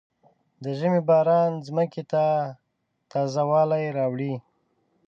د ژمي باران ځمکې ته تازه والی راوړي.